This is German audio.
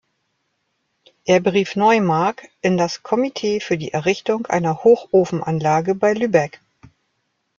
Er berief Neumark in das „Komitee für die Errichtung einer Hochofenanlage bei Lübeck“.